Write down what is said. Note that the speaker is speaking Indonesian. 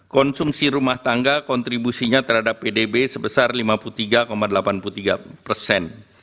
konsumsi rumah tangga kontribusinya terhadap pdb sebesar lima puluh tiga delapan puluh tiga persen